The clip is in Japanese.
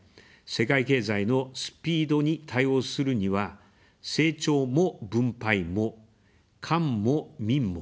世界経済のスピードに対応するには「成長も分配も」「官も民も」